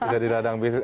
bisa di ladang bisnis